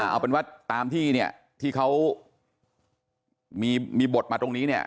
เอาเป็นว่าตามที่เนี่ยที่เขามีบทมาตรงนี้เนี่ย